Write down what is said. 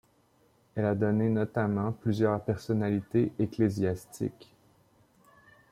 Elle a donné notamment plusieurs personnalités ecclésiastiques.